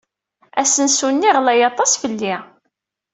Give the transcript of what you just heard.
Asensu-nni ɣlay aṭas fell-i.